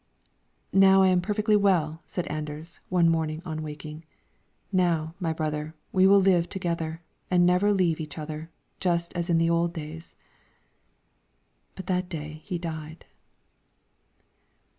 "Now I am perfectly well," said Anders one morning on waking. "Now, my brother, we will live long together, and never leave each other, just as in the old days." But that day he died.